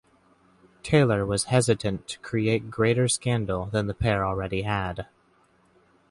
Taylor was hesitant to create greater scandal than the pair already had.